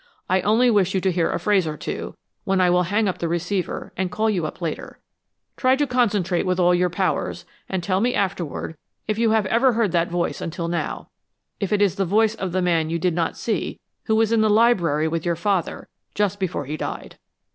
I only wish you to hear a phrase or two, when I will hang up the receiver, and call you up later. Try to concentrate with all your powers, and tell me afterward if you have ever heard that voice until now; if it is the voice of the man you did not see, who was in the library with your father just before he died."